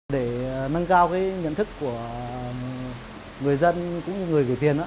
để nâng cao cái nhận thức của người dân cũng như người gửi tiền